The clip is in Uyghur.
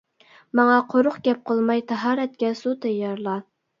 ماڭا قۇرۇق گەپ قىلماي تاھارەتكە سۇ تەييارلا!